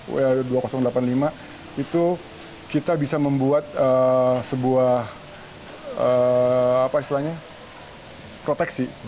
wa dua ribu delapan puluh lima itu kita bisa membuat sebuah proteksi